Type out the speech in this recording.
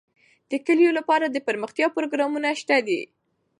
د کلیو لپاره دپرمختیا پروګرامونه شته دي.